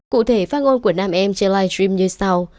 cụ thể phát ngôn của nam em trên livestream như sau